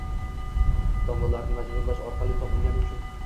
odamlarni majburlash orqali topilgani uchun